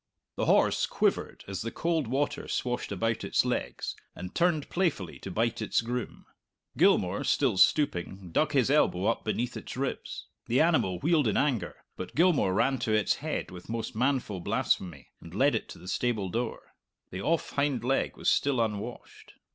The horse quivered as the cold water swashed about its legs, and turned playfully to bite its groom. Gilmour, still stooping, dug his elbow up beneath its ribs. The animal wheeled in anger, but Gilmour ran to its head with most manful blasphemy, and led it to the stable door. The off hind leg was still unwashed.